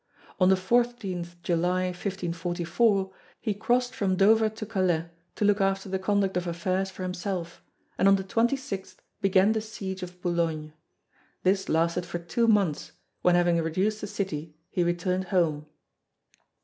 On the 14 July, 1544, he crossed from Dover to Calais to look after the conduct of affairs for himself, and on the 26th began the siege of Boulogne. This lasted for two months when having reduced the city he returned home.